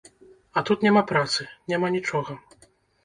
А тут няма працы, няма нічога.